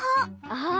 ああ。